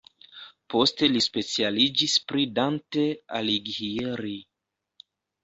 Poste li specialiĝis pri Dante Alighieri.